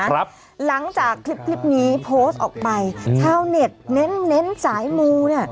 หลังจากคลิปนี้โพสต์ออกไปชาวเน็ตเน้นเน้นสายมูเนี้ย